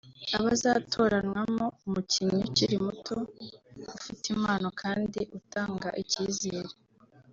Abazatoranywamo umukinnyi ukiri muto ufite impano kandi utanga ikizere